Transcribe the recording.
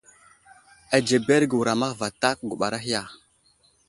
Anzeberge wuram ahe vatak guɓar ahe ya ?